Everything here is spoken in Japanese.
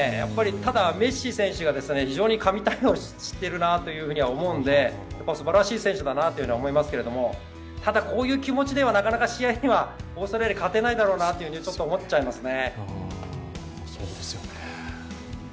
ただ、メッシ選手が非常に神対応しているなと思うのでそこはすばらしい選手だなと思いますけどもただ、こういう気持ちではなかなか試合には勝てないだろうなと思っちゃいますね。